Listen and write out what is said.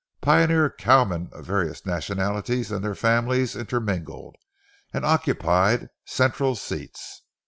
Pioneer cowmen of various nationalities and their families intermingled and occupied central seats.